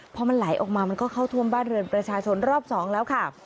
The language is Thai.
พอมันไหลออกมามันก็เข้าท่วมบ้านเรือนประชาชนรอบสองแล้วค่ะ